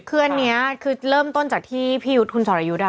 คืออันนี้คือเริ่มต้นจากที่พี่ยุทธ์คุณสรยุทธ์